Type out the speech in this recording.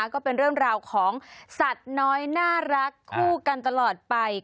ก็เป็นเรื่องราวของสัตว์น้อยน่ารักคู่กันตลอดไป